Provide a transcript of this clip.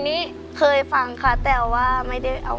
เพลงเมื่อได้ฟังค่ะแต่ไม่ได้เอามาไม่ได้เผ็ด